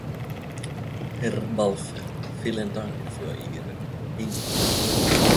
Herr Balfe, vielen Dank für Ihren Hinweis.